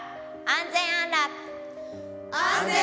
「安全安楽」。